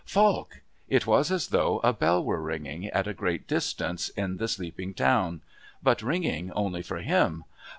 Falk! It was as though a bell were ringing, at a great distance, in the sleeping town but ringing only for him.